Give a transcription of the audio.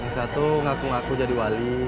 satu ngaku ngaku jadi wali